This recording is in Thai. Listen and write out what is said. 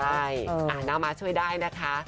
อ่าหน้าม้าช่วยได้นะคะ